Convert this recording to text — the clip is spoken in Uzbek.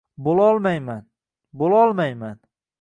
Boʼlolmayman! Boʼlolmayman!..»